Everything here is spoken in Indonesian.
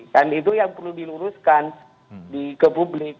kan itu yang perlu diluruskan ke publik